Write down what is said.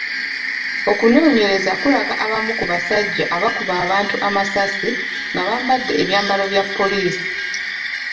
Okunoonyereza kulaga abamu ku basajja abakuba abantu amasasi nga bambadde ebyambalo bya poliisi .